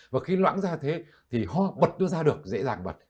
và khi loãng ra thế thì họ bật nó ra được dễ dàng bật